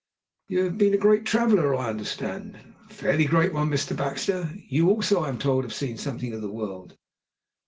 "You have been a great traveller, I understand." "A fairly great one, Mr. Baxter. You also, I am told, have seen something of the world."